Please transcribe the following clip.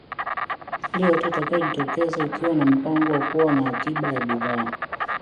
hali yoyote itakayojitokeza ikiwa na mpango wa kuwa na akiba ya bidhaa